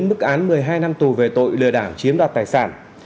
mức án một mươi hai năm tù về tội lừa đảo chiếm đoạt tài sản